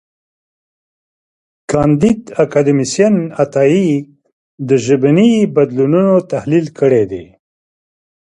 کانديد اکاډميسن عطایي د ژبني بدلونونو تحلیل کړی دی.